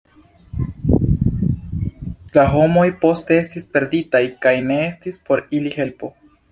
La homoj poste estis perditaj kaj ne estis por ili helpo.